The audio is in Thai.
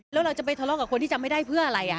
แล้วเราจะไปทะเลาะกับคนที่จำไม่ได้เพื่ออะไร